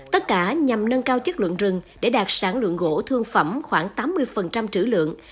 tất cả nhằm nâng cao chất lượng rừng để đạt sản lượng gỗ thương phẩm khoảng tám mươi trữ lượng